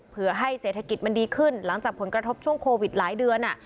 เพื่อให้เศรษฐกิจมันดีขึ้นหลังจากผลกระทบช่วงโควิดหลายเดือน